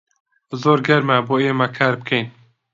زۆر گەرمە بۆ ئێمە کار بکەین.